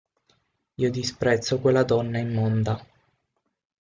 Io disprezzo quella donna immonda.